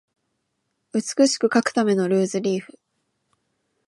美しく書くためのルーズリーフ